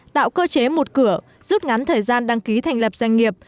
tạo cơ chế một cửa rút ngắn thời gian đăng ký thành lập doanh nghiệp